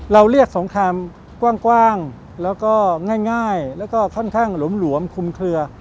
เราเรียกสงครามกว้างแล้วก็ง่ายแล้วก็ค่อนข้างหลวมคุมเคลือ